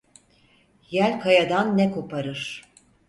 Yel kayadan ne koparır.